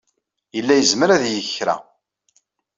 Yella yezmer ad yeg kra.